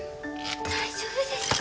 大丈夫ですか。